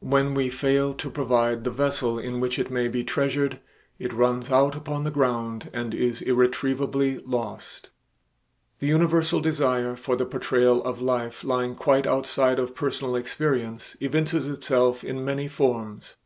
When we fail to provide the vessel in which it may be treasured, it runs out upon the ground and is irretrievably lost. The universal desire for the portrayal of life lying quite outside of personal experience evinces itself in many forms.